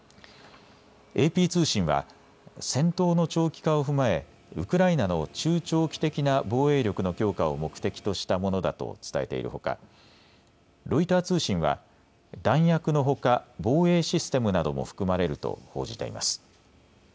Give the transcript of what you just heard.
ＡＰ通信は戦闘の長期化を踏まえウクライナの中長期的な防衛力の強化を目的としたものだと伝えているほかロイター通信は弾薬のほか防衛システムなども含まれると報じています。